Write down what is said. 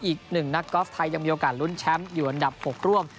อีก๑นักกอล์ฟไทยยังมีโอกาสลุ้นแชมป์อยู่อันดับ๖ร่วม